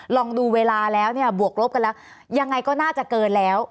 ลองดูเวลาแล้วเนี่ยบวกลบกันแล้วยังไงก็น่าจะเกินแล้ว